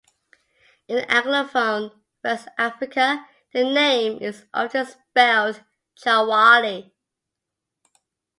In anglophone West Africa the name is often spelled Trawally.